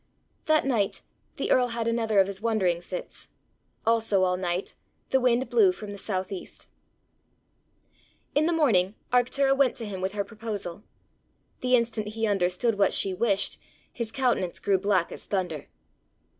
That night the earl had another of his wandering fits; also all night the wind blew from the south east. In the morning Arctura went to him with her proposal. The instant he understood what she wished, his countenance grew black as thunder.